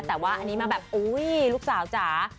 แต่ว่าอันนี้มาแบบอุ๊ยลูกสาวจ๋า